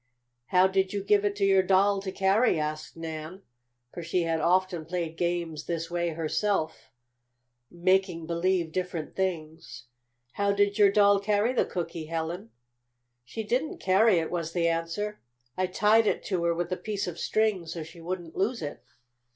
"How did you give it to your doll to carry?" asked Nan, for she had often played games this way herself, making believe different things. "How did your doll carry the cookie, Helen?" "She didn't carry it," was the answer. "I tied it to her with a piece of string so she wouldn't lose it.